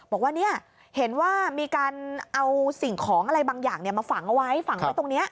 บอกว่าเนี่ยเห็นว่ามีการเอาสิ่งของอะไรบางอย่างมาฝังเอาไว้ฝังไว้ตรงนี้